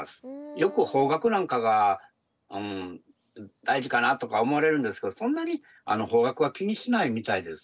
よく方角なんかが大事かなとか思われるんですけどそんなに方角は気にしないみたいです。